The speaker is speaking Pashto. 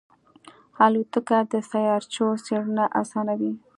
الوتکه د سیارچو څېړنه آسانوي.